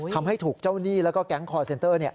ทำให้ถูกเจ้าหนี้แล้วก็แก๊งคอร์เซ็นเตอร์